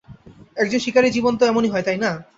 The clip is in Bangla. একজন শিকারীর জীবন তো এমনই হয়, তাই না?